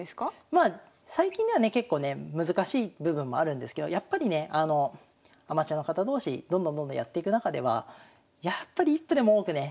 まあ最近ではね結構ね難しい部分もあるんですけどやっぱりねアマチュアの方同士どんどんどんどんやってく中ではやっぱり１歩でも多くね